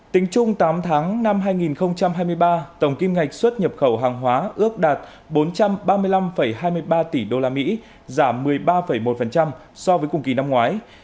tổng kim ngạch xuất nhập khẩu hàng hóa ước đạt bốn trăm ba mươi năm hai mươi ba tỷ usd tăng sáu chín so với cùng kỳ năm ngoái